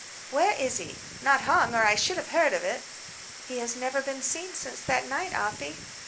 "Where is he? Not hung, or I should have heard of it." "He has never been seen since that night, Afy."